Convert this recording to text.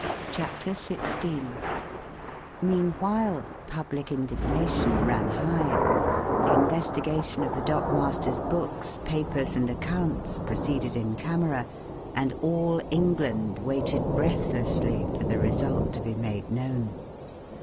CHAPTER XVI Meanwhile public indignation ran high, the investigation of the dock master's books, papers, and accounts proceeded in camera, and all England waited breathlessly for the result to be made known.